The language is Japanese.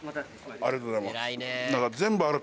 ありがとうございます。